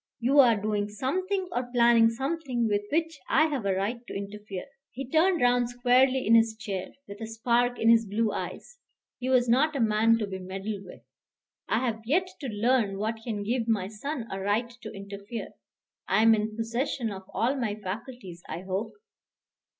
You are doing something or planning something with which I have a right to interfere." He turned round squarely in his chair, with a spark in his blue eyes. He was not a man to be meddled with. "I have yet to learn what can give my son a right to interfere. I am in possession of all my faculties, I hope."